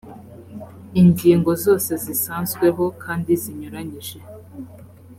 ingingo zose zisanzweho kandi zinyuranyije